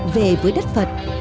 về với đất phật